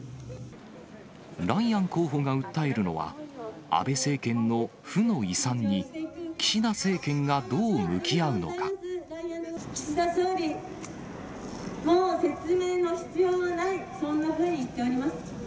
ライアン候補が訴えるのは、安倍政権の負の遺産に、岸田政権岸田総理、もう説明の必要はない、そんなふうに言っております。